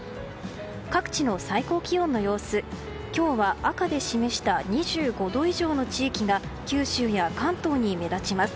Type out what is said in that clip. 各地の最高気温の様子、今日は赤で示した２５度以上の地域が九州や関東に目立ちます。